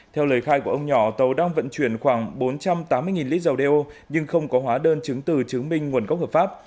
theo lời khai của ông nhỏ tàu đang vận chuyển khoảng bốn trăm tám mươi lít dầu đeo nhưng không có hóa đơn chứng từ chứng minh nguồn gốc hợp pháp